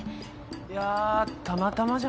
いやたまたまじゃない？